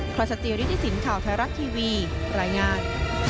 ครอสเตียรี่ดิสินข่าวแท้รักทีวีรายงาน